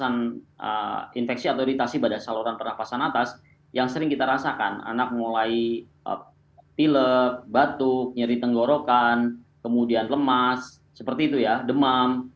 yang menyebabkan infeksi atau iritasi pada saluran pernafasan atas yang sering kita rasakan anak mulai pilek batuk nyeri tenggorokan kemudian lemas seperti itu ya demam